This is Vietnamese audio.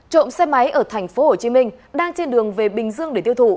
trộm xe máy ở thành phố hồ chí minh đang trên đường về bình dương để tiêu thụ